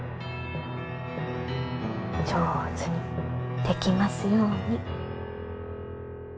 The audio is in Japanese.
上手にできますように。